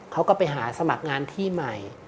เขาก็ไปหาสมัครงานที่ใหม่